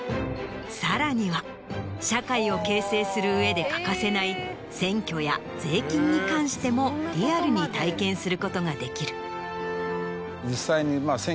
さらには社会を形成する上で欠かせない選挙や税金に関してもリアルに体験することができる。